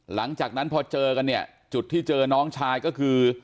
หลังจากนั้นพอเจอกันเนี่ยจุดที่เจอน้องชายก็คือ